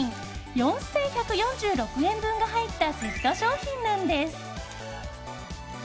４１４６円分が入ったセット商品なんです。